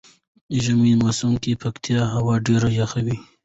ژمی موسم کې پکتيا هوا ډیره یخه وی.